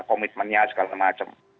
komitmennya segala macam